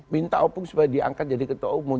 minta opung supaya diangkat jadi ketua umum